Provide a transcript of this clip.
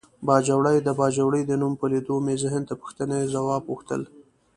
باجوړی د باجوړي د نوم په لیدو مې ذهن ته پوښتنې ځواب غوښتل.